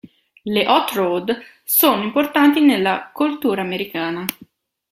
Le hot rod sono importanti nella cultura americana.